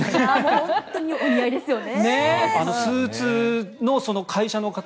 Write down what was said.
本当にお似合いですよね。